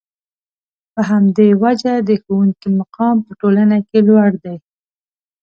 په همدې وجه د ښوونکي مقام په ټولنه کې لوړ دی.